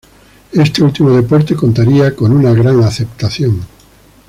Este último deporte contaría con una gran aceptación.